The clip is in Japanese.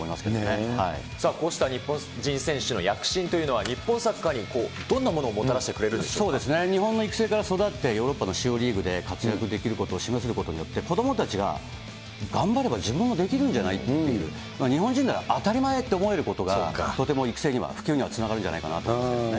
こうした日本人選手の躍進というのは、日本サッカーにどんなものをもたらしてくれるでしょう日本の育成から育って、ヨーロッパの主要リーグで活躍できることを示せることによって、子どもたちが頑張れば自分もできるんじゃない？っていう、日本人なら当たり前って思えることが、とても育成には、普及にはつながるんじゃないかなと思いますね。